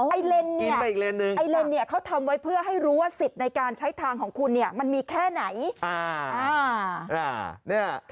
ไอเลนเนี่ยเค้าทำไว้ให้รู้ว่าสิทธิ์ในการใช้ทางของคุณมันมีแค่ไหน